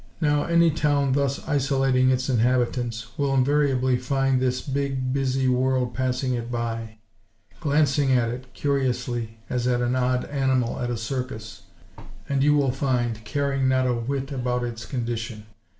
Now, any town thus isolating its inhabitants, will invariably find this big, busy world passing it by; glancing at it, curiously, as at an odd animal at a circus; and, you will find, caring not a whit about its condition.